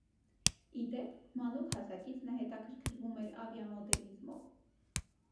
Ի դեպ, մանուկ հասակից նա հետաքրքրվում էր ավիամոդելիզմով։